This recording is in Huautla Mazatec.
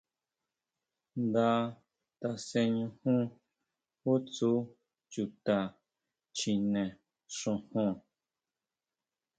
Nda taseñujun ju tsú chuta chjine xojon.